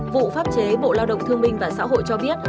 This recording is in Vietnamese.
vụ pháp chế bộ lao động thương minh và xã hội cho biết